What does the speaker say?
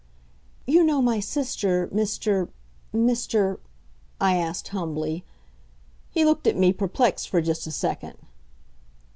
"You know my sister, Mr. Mr. " I asked humbly. He looked at me, perplexed for just a second.